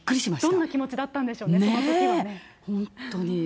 どんな気持ちだったんでしょうね、本当に。